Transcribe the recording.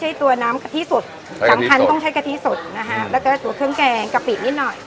ตัวน้ำกะทิสดสำคัญต้องใช้กะทิสดนะฮะแล้วก็ตัวเครื่องแกงกะปินิดหน่อย